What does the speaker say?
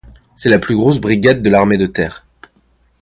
C'est la plus grosse brigade de l'armée de terre.